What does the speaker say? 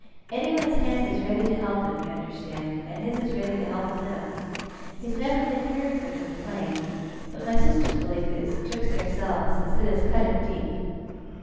Anyone's hand is ready to help him, you understand, and his is ready to help them. He's never been heerd fur to complain. But my sister's belief is ['twixt ourselves) as it has cut him deep.